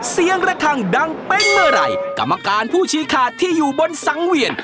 เสียงระคังดังเป๊ะเมื่อไหร่กรรมการผู้ชี้ขาดที่อยู่บนสังเวียน